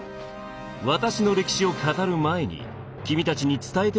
私の歴史を語る前に君たちに伝えておくべきことがある。